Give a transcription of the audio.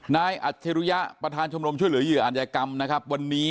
นายอัฐรุยะประธานชมรมช่วยเหลือเหยื่ออาณาจกรรมนะครับ